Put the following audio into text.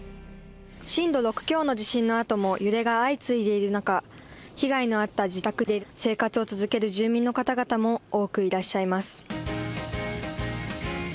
震度６強の地震のあとも揺れが相次いでいる中被害のあった自宅で生活を続ける住民の方々も多くいらっしゃいます。